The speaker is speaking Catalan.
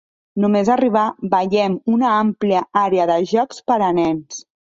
Només arribar, veiem una àmplia àrea de jocs per a nens.